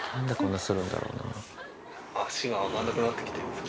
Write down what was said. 足が上がんなくなってきてる？